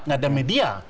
nggak ada media